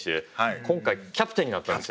今回キャプテンになったんですよ。